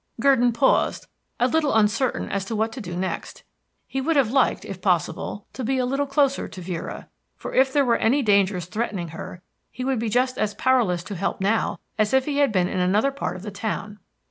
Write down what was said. Gurdon paused, a little uncertain as to what to do next. He would have liked, if possible, to be a little closer to Vera, for if there were any dangers threatening her he would be just as powerless to help now as if he had been in another part of the town.